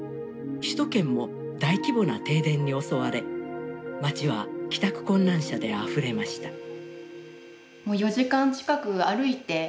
首都圏も大規模な停電に襲われ街は帰宅困難者であふれました。